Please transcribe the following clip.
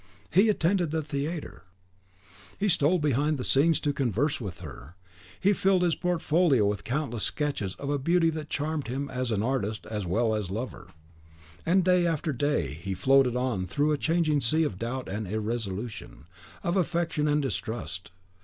He attended the theatre; he stole behind the scenes to converse with her; he filled his portfolio with countless sketches of a beauty that charmed him as an artist as well as lover; and day after day he floated on through a changing sea of doubt and irresolution, of affection and distrust.